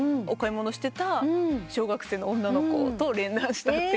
お買い物してた小学生の女の子と連弾した。